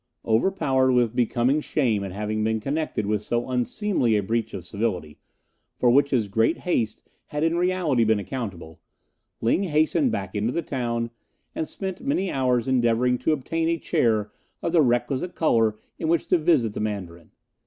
Overpowered with becoming shame at having been connected with so unseemly a breach of civility, for which his great haste had in reality been accountable, Ling hastened back into the town, and spent many hours endeavouring to obtain a chair of the requisite colour in which to visit the Mandarin.